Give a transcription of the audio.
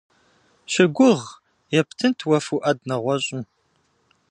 Щыгугъ, ептынт уэ Фуӏад нэгъуэщӏым.